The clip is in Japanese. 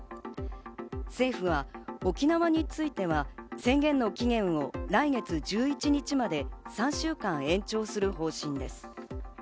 政府は沖縄については、宣言の期限を来月１１日まで３週間延長する方針です。